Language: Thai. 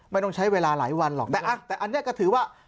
ไม่ต้องใช้เวลาหลายวันหรอกนะแต่อันนี้ก็ถือว่า